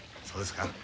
そうですか。